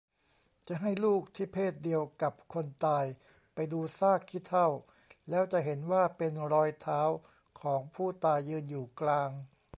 จะให้ลูกที่เพศเดียวกับคนตายไปดูซากขี้เถ้า แล้วจะเห็นว่าเป็นรอยเท้าของผู้ตายยืนอยู่กลาง